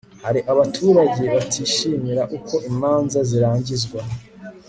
hari abaturage batishimira uko imanza zirangizwa